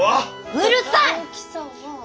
うるさい！